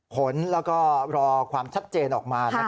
ผลแล้วก็รอความชัดเจนออกมา